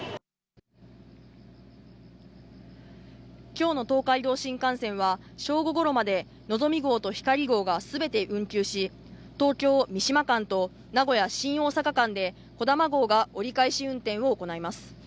今日の東海道新幹線は正午ごろまでのぞみ号とひかり号が全て運休し、東京−三島間と名古屋−新大阪間でこだま号が折り返し運転を行います。